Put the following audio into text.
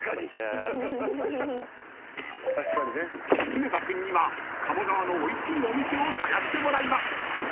［常田君には鴨川のおいしいお店を探してもらいます］